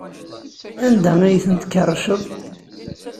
Anda ay ten-tkerrceḍ?